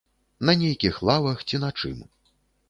На нейкіх лавах, ці на чым.